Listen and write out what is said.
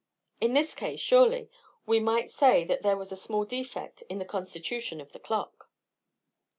In this case, surely, we might say that there was a small defect in the constitution of the clock.